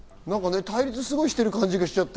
対立すごいしてる感じがしちゃった。